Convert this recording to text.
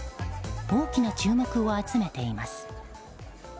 大きな注目を集めています。